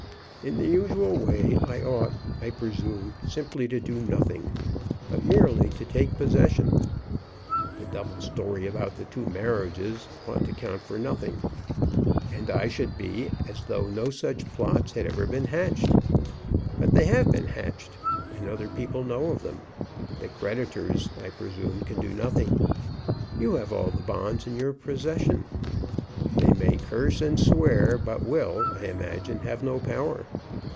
In the usual way I ought, I presume, simply to do nothing, but merely to take possession. The double story about the two marriages ought to count for nothing, and I should be as though no such plots had ever been hatched. But they have been hatched, and other people know of them. The creditors, I presume, can do nothing. You have all the bonds in your possession. They may curse and swear, but will, I imagine, have no power.